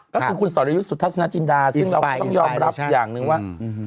ก็คือคุณศรยุทธรรมนาจินดาซึ่งเราต้องยอมรับอย่างนึงว่า